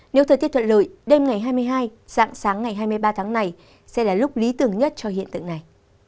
nếu thời tiết thuận lợi đêm ngày hai mươi hai dạng sáng ngày hai mươi ba tháng này sẽ là lúc lý tưởng nhất cho hiện tượng này